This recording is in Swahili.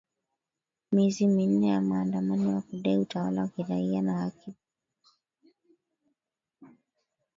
miezi minne ya maandamano ya kudai utawala wa kiraia na haki